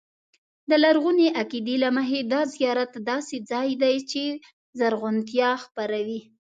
د لرغوني عقیدې له مخې دا زیارت داسې ځای دی چې زرغونتیا خپروي.